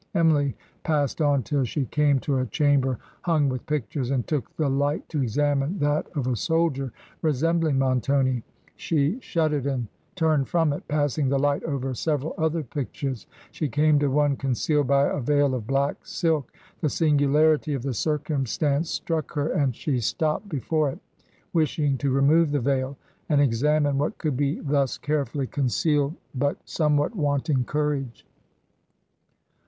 "Emily passed on till she came to a chamber himg witli pictures, and took the light to examine that of a soldier ... resembling Montoni. She shuddered and turned from it; passing the Hght over several other pictures, she came to one concealed by a veil of black silk. The singularity of the circumstance struck her and she stopped before it, wishing to remove the veil, and examine what could be thus carefully concealed, but somewhat wanting courage.